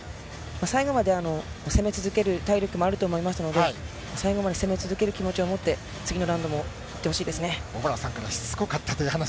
最後まで攻め続ける体力もあると思いますので、最後まで攻め続ける気持ちを持って、次のラウンドもいってほしい小原さんからもしつこかった